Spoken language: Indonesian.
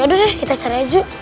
yaudah deh kita cari aja